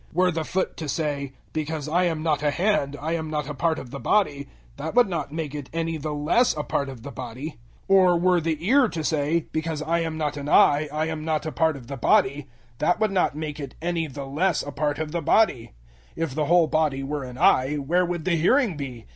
012:015 Were the foot to say, "Because I am not a hand I am not a part of the body," that would not make it any the less a part of the body. 012:016 Or were the ear to say, "Because I am not an eye, I am not a part of the body," that would not make it any the less a part of the body. 012:017 If the whole body were an eye, where would the hearing be?